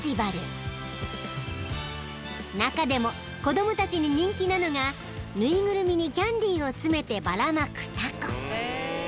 ［中でも子供たちに人気なのが縫いぐるみにキャンディーを詰めてばらまくたこ］